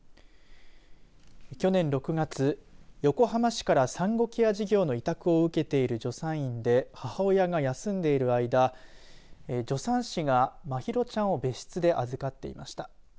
去年６月横浜市から産後ケア事業の委託を受けている助産院で母親が休んでいる間助産師が、茉央ちゃんを別室で預かっていました。